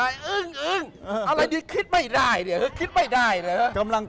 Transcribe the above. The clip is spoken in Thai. อยู่เอออิ่งอะไรนี่คิดไม่ได้เนี่ยเค้าคิดไม่ได้